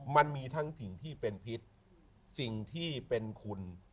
มันมีทั้งสิ่งที่เป็นพิษสิ่งที่เป็นคุณ